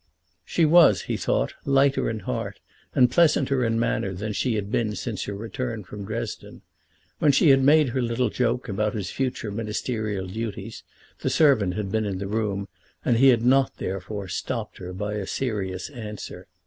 She was, he thought, lighter in heart and pleasanter in manner than she had been since her return from Dresden. When she had made her little joke about his future ministerial duties the servant had been in the room, and he had not, therefore, stopped her by a serious answer.